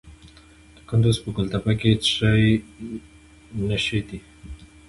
د کندز په ګل تپه کې د څه شي نښې دي؟